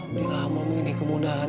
ini lama ini kemudahan